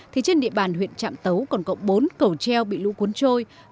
thì trên địa bàn huyện trạm tấu còn cộng bốn cầu treo bị lũ cuốn trôi